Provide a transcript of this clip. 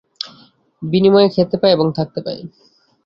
বিনিময়ে খেতে পায় এবং থাকতে পায়।